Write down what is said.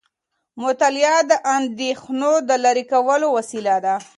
مطالعه د اندیښنو د لرې کولو وسیله ده.